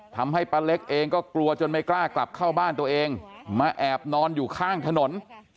ป้าเล็กเองก็กลัวจนไม่กล้ากลับเข้าบ้านตัวเองมาแอบนอนอยู่ข้างถนน